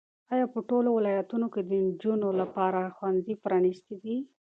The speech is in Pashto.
ایا په ټولو ولایتونو کې د نجونو لپاره ښوونځي پرانیستي دي؟